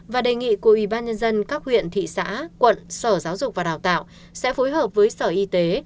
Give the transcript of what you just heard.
và đề nghị của ybnd các huyện thị xã quận sở giáo dục và đào tạo sẽ phối hợp với sở y tế